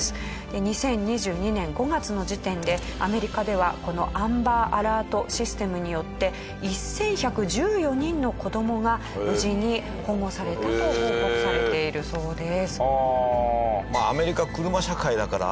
２０２２年５月の時点でアメリカではこのアンバーアラートシステムによって１１１４人の子供が無事に保護されたと報告されているそうです。